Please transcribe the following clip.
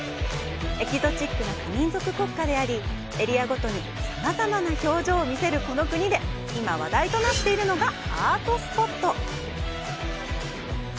エキゾチックな多民族国家であり、エリアごとにさまざまな表情を見せるこの国で、今、話題となっているのが「アートスポット」。